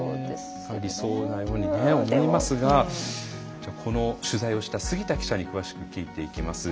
それが理想のように思えますが取材をした杉田記者に詳しく聞いていきます。